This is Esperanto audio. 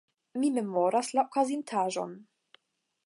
Mi memoras la okazintaĵon.